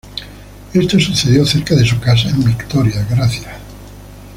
Esto sucedió cerca de su casa en Victoria Gracia.